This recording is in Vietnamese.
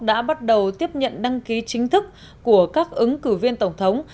đã bắt đầu tiếp nhận đăng ký chính thức của các ứng cử viên tổng thống